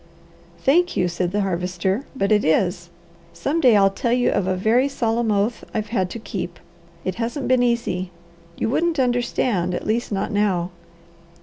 "Thank you!" said the Harvester. "But it is! Some day I'll tell you of a very solemn oath I've had to keep. It hasn't been easy. You wouldn't understand, at least not now.